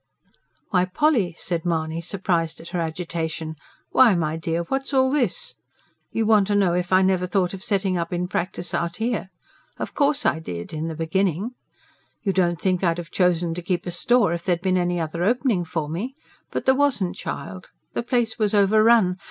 "Why, Polly!" said Mahony, surprised at her agitation. "Why, my dear, what's all this? You want to know if I never thought of setting up in practice out here? Of course I did ... in the beginning. You don't think I'd have chosen to keep a store, if there'd been any other opening for me? But there wasn't, child. The place was overrun.